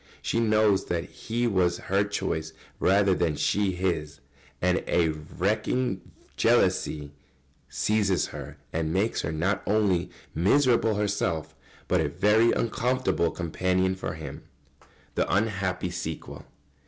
She knows that he was her choice, rather than she his, and a racking jealousy seizes her and makes her not only miserable herself, but a very uncomfortable companion for him. [Sidenote: The unhappy sequel.